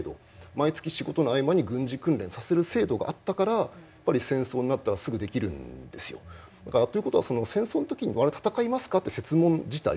毎月仕事の合間に軍事訓練をさせる制度があったからやっぱり戦争になったらすぐできるんですよ。ということは戦争の時に戦いますかという設問自体